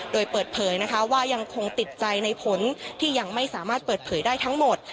โดยเปิดเผยนะคะว่ายังคงติดใจในผลที่ยังไม่สามารถเปิดเผยได้ทั้งหมด